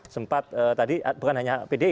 sempat tadi bukan hanya pdi